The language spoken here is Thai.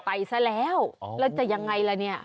ไปซะแล้วแล้วจะยังไงล่ะเนี่ย